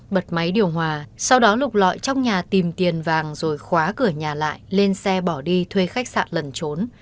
bật máy điều hòa sau đó lục lọi trong nhà tìm tiền vàng rồi khóa cửa nhà lại lên xe bỏ đi thuê khách sạn lần trốn